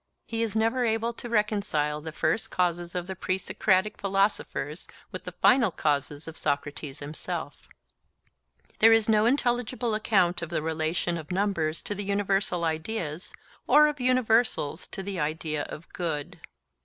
He is never able to reconcile the first causes of the pre Socratic philosophers with the final causes of Socrates himself. There is no intelligible account of the relation of numbers to the universal ideas, or of universals to the idea of good.